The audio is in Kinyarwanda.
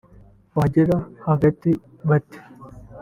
wagera hagati bati